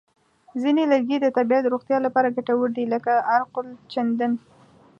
ځینې لرګي د طبیعي روغتیا لپاره ګټور دي، لکه عرقالچندڼ.